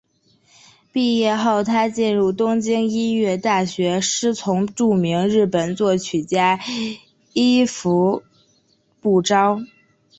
毕业后她进入东京音乐大学师从著名日本作曲家伊福部昭。